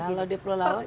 kalau di pulau laut